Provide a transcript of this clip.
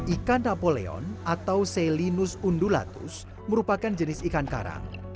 ikan napoleon atau selinus undulatus merupakan jenis ikan karang